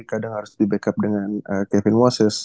kadang harus di backup dengan kevin mosis